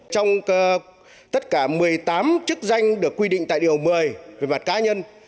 trong tất cả một mươi tám chức danh được quy định tại điều một mươi về mặt cá nhân